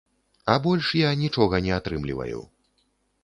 А больш я нічога не атрымліваю.